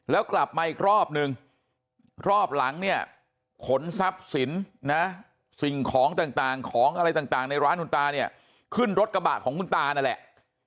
แล้วกลับมาอีกรอบนึงรอบหลังเนี่ยขนทรัพย์สินนะสิ่งของต่างของอะไรต่างในร้านคุณตาเนี่ยขึ้นรถกระบะของคุณตานั่นแหละ